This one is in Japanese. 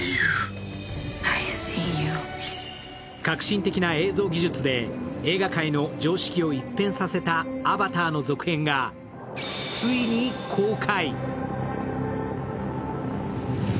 革新的な映像技術で映画界の常識を一変させた「アバター」の続編がついに公開。